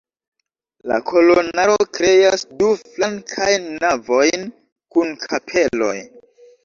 La kolonaro kreas du flankajn navojn kun kapeloj.